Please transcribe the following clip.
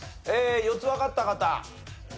４つわかった方。